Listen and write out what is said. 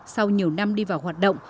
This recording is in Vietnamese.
sau nhiều năm đi vào hoạt động